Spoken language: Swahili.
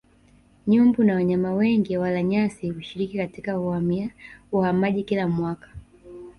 Nyumbu na wanyama wengi walanyasi hushiriki katika uhamaji kila mwaka